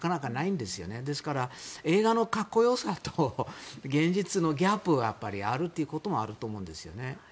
だから、映画のかっこよさと現実のギャップがやっぱりあるってこともあると思うんですよね。